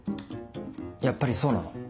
やっぱりそうなの？